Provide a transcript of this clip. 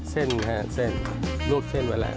เส้นค่ะเส้นลวกเส้นไว้แล้ว